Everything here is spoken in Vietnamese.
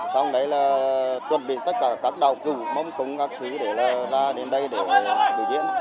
xong đấy là chuẩn bị tất cả các đạo cụ mong cung các thứ để ra đến đây để biểu diễn